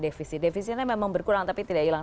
defisit defisitnya memang berkurang tapi tidak hilang